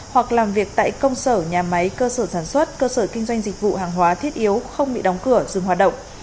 hoặc làm việc tại công sở nhà máy cơ sở sản xuất cơ sở kinh doanh dịch vụ hàng hóa thiết yếu không bị đóng cửa dừng hoạt động